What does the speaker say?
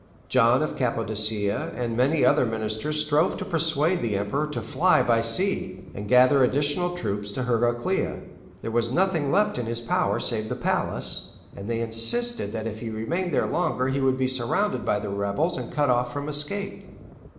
John of Cappadocia and many other ministers strove to persuade the Emperor to fly by sea, and gather additional troops at Heraclea. There was nothing left in his power save the palace, and they insisted that if he remained there longer he would be surrounded by the rebels and cut off from escape.